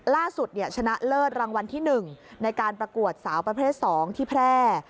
ล่าสุดชนะเลิศรางวัลที่๑ในการประกวดสาวประเภท๒ที่แพร่